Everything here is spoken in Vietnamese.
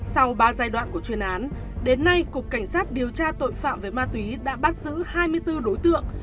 sau ba giai đoạn của chuyên án đến nay cục cảnh sát điều tra tội phạm về ma túy đã bắt giữ hai mươi bốn đối tượng